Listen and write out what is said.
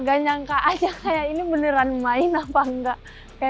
gak nyangka aja kayak ini beneran main apa enggak